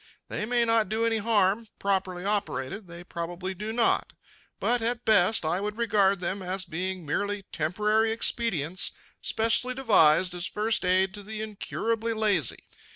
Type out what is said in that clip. They may not do any harm properly operated, they probably do not but, at best, I would regard them as being merely temporary expedients specially devised as first aid to the incurably lazy.